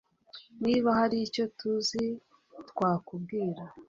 Niba hari icyo tuzi twakubwira